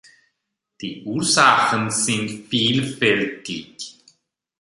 Die Ursachen sind vielfältig.